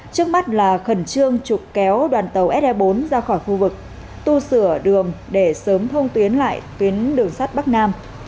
trước mắt là khẩn trương trục kéo đoàn tàu s hai mươi bốn ra khỏi khu vực tu sửa đường để sớm thông tuyến lại tuyến đường sắt bắc nam